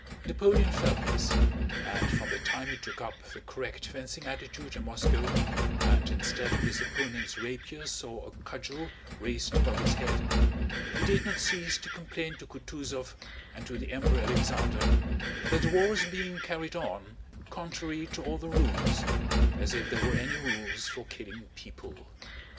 Napoleon felt this, and from the time he took up the correct fencing attitude in Moscow and instead of his opponent's rapier saw a cudgel raised above his head, he did not cease to complain to Kutúzov and to the Emperor Alexander that the war was being carried on contrary to all the rules—as if there were any rules for killing people.